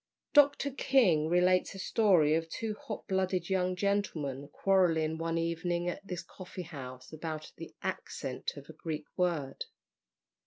Dr. King relates a story of two hot blooded young gentlemen quarrelling one evening at this coffee house about the accent of a Greek word.